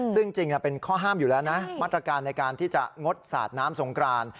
ซึ่งจริงเป็นข้อห้ามอยู่แล้วนะมาตรการในการที่จะงดสาดน้ำสงกราน